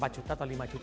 empat juta atau lima juta